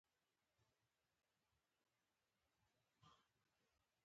مچوي مو جاهلان پښې او لاسونه